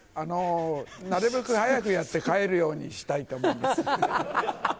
なるべく早くやって帰るようにしたいと思います。